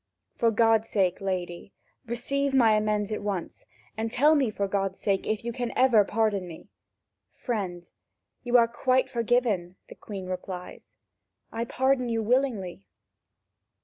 For God's sake, lady, receive my amends at once, and tell me, for God's sake, if you can ever pardon me." "Friend, you are quite forgiven," the Queen replies; "I pardon you willingly."